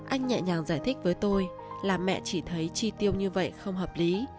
anh nhẹ nhàng giải thích với tôi là mẹ chỉ thấy chi tiêu như vậy không hợp lý